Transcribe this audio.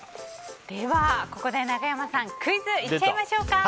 では、ここで中山さんクイズ行っちゃいましょうか。